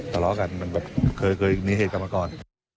ทะเลาะกันมันแบบเคยมีเหตุกลับมาก่อน